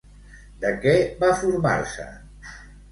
De què va formar-se?